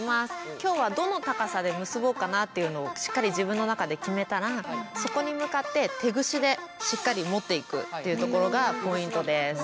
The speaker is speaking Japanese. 今日はどの高さで結ぼうかなっていうのをしっかり自分の中で決めたらそこに向かって手ぐしでしっかり持っていくっていうところがポイントです。